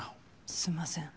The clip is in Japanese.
すんません。